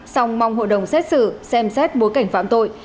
song mong hội đồng xét xử xem xét bối cảnh phạm tội